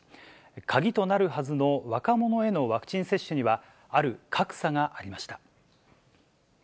鍵となるはずの若者へのワクチン接種には、ある格差がありました。